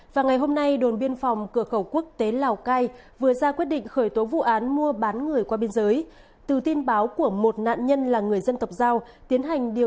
các bạn hãy đăng ký kênh để ủng hộ kênh của chúng mình nhé